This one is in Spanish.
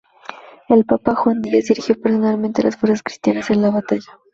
El Papa Juan X dirigió personalmente las fuerzas cristianas en la batalla.